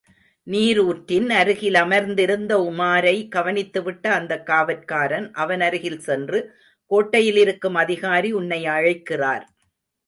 நீருற்றின் அருகிலமர்ந்திருந்த உமாரை கவனித்துவிட்ட அந்த காவற்காரன், அவனருகில் சென்று, கோட்டையிலிருக்கும் அதிகாரி உன்னை அழைக்கிறார்.